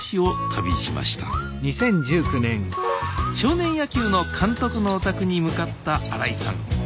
少年野球の監督のお宅に向かった新井さん。